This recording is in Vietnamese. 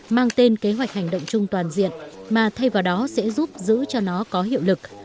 mang tên kế hoạch hành động chung toàn diện mà thay vào đó sẽ giúp giữ cho nó có hiệu lực